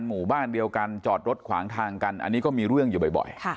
หมู่บ้านเดียวกันจอดรถขวางทางกันอันนี้ก็มีเรื่องอยู่บ่อย